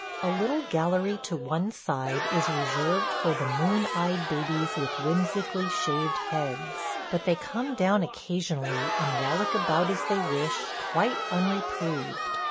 A little gallery to one side is reserved for the moon eyed babies with whimsically shaved heads; but they come down occasionally and rollic about as they wish, quite unreproved.